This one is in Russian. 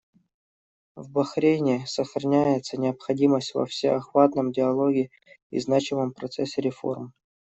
В Бахрейне сохраняется необходимость во всеохватном диалоге и значимом процессе реформ.